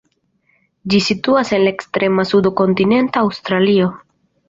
Ĝi situas en la ekstrema sudo de kontinenta Aŭstralio.